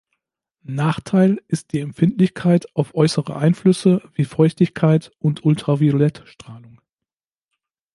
Nachteil ist die Empfindlichkeit auf äußere Einflüsse wie Feuchtigkeit und Ultraviolettstrahlung.